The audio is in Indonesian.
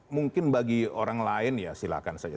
mungkin bagi orang lain ya silakan saja